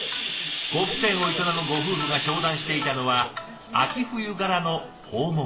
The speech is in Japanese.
呉服店を営むご夫婦が商談していたのは秋冬柄の訪問着。